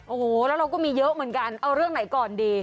โอ้โหแล้วเราก็มีเยอะเหมือนกันเอาเรื่องไหนก่อนดี